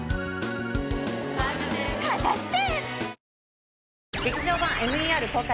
果たして？